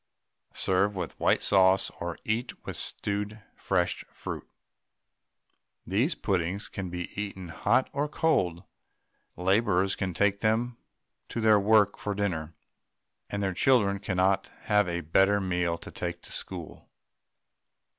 Serve with white sauce or eat with stewed fresh fruit. These puddings can be eaten hot or cold; labourers can take them to their work for dinner, and their children cannot have a better meal to take to school.